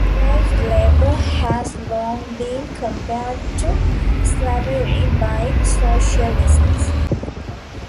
Wage labour has long been compared to slavery by socialists.